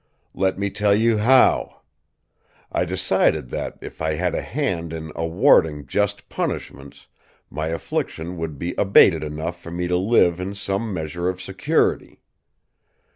"Let me tell you how. I decided that, if I had a hand in awarding just punishments, my affliction would be abated enough for me to live in some measure of security.